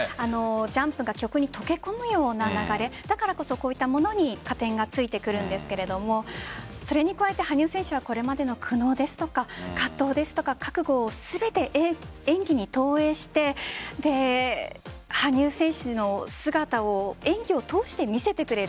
ジャンプが曲に溶け込むような流れだからこそ、こういったものに加点がついてくるんですがそれに加えて羽生選手はこれまでの苦悩ですとか葛藤ですとか、覚悟を全て演技に投影して羽生選手の姿を演技を通して見せてくれる。